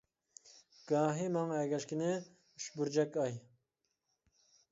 گاھى، ماڭا ئەگەشكىنى ئۈچ بۇرجەك ئاي.